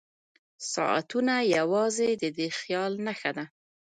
ساعتونه یوازې د دې خیال نښه ده.